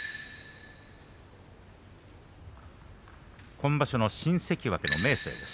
今場所の新関脇の明生です。